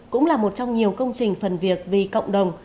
cũng là một trong nhiều công trình phần việc vì cộng đồng